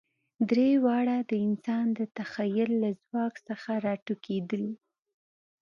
درې واړه د انسان د تخیل له ځواک څخه راټوکېدلي.